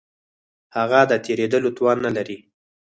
هغه د تېرېدلو توان نه لري.